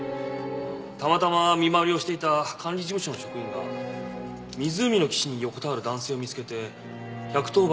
たまたま見回りをしていた管理事務所の職員が湖の岸に横たわる男性を見つけて１１０番に通報したんです。